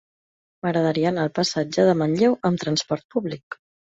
M'agradaria anar al passatge de Manlleu amb trasport públic.